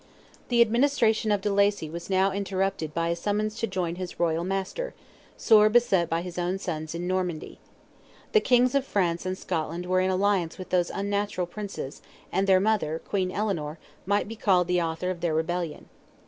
The administration of de Lacy was now interrupted by a summons to join his royal master, sore beset by his own sons in Normandy. The Kings of France and Scotland were in alliance with those unnatural Princes, and their mother, Queen Eleanor, might he called the author of their rebellion.